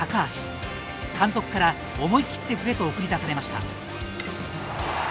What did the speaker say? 監督から思い切って振れと送り出されました。